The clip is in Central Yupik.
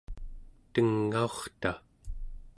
tengaurta